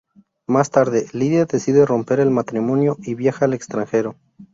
Más tarde, Lidia decide romper el matrimonio y viaja al extranjero.